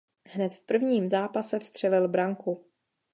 Hned v prvním zápase vstřelil branku.